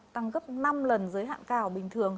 tăng gấp năm lần giới hạn cao bình thường